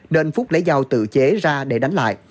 nên phúc lấy dao tự chế ra để đánh lại